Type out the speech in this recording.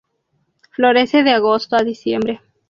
Florece de agosto a diciembre.